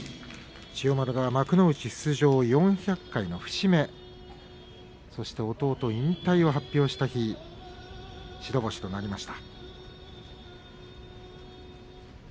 千代丸が幕内出場４００回の節目そして、弟が引退を発表した日白星となりました。